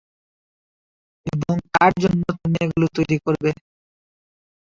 এবং 'কার জন্য তুমি এগুলো তৈরী করবে?'